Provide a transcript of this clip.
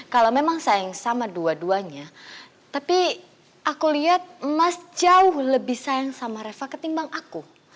kalau memang sayang sama dua duanya tapi aku lihat emas jauh lebih sayang sama reva ketimbang aku